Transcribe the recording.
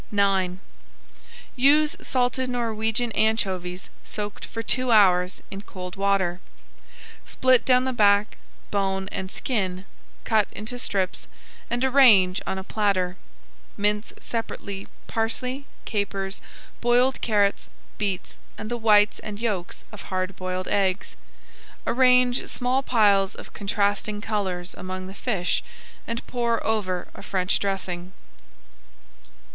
IX Use salted Norwegian anchovies soaked for two hours in cold water. Split down the back, bone and skin, cut into strips, and arrange on a platter. Mince separately parsley, capers, boiled carrots, beets, and the whites and yolks of hard boiled eggs. Arrange small piles of contrasting colors among the fish and pour over a French dressing.